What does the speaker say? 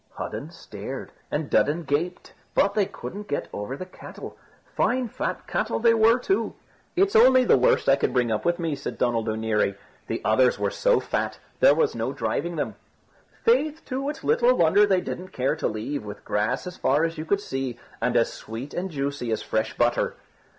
Hudden stared, and Dudden gaped; but they couldn't get over the cattle; fine fat cattle they were too. "It's only the worst I could bring up with me," said Donald O'Neary; "the others were so fat, there was no driving them. Faith, too, it's little wonder they didn't care to leave, with grass as far as you could see, and as sweet and juicy as fresh butter."